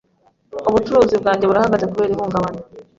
Ubucuruzi bwanjye burahagaze kubera ihungabana.